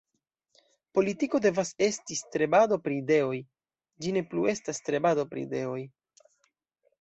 Politiko devas esti strebado pri ideoj; ĝi ne plu estas strebado pri ideoj.